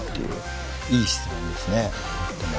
いい質問ですねとても。